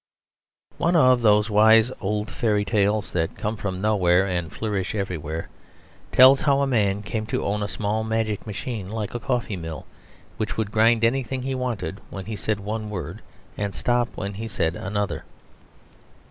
One of those wise old fairy tales, that come from nowhere and flourish everywhere, tells how a man came to own a small magic machine like a coffee mill, which would grind anything he wanted when he said one word and stop when he said another.